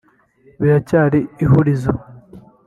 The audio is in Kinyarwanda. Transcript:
Biracyari ihurizo